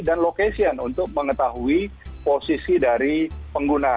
dan location untuk mengetahui posisi dari pengguna